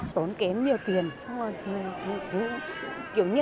tốn kém nhiều tiền